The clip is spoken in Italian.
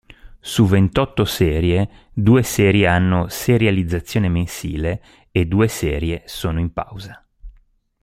Su ventotto serie, due serie hanno serializzazione mensile e due serie sono in pausa.